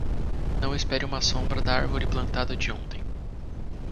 Não espere uma sombra da árvore plantada de ontem.